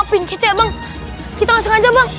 maapin kece bang kita gak sengaja bang